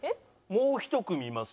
「もう１組います！」